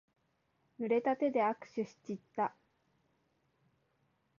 ぬれた手で握手しちった。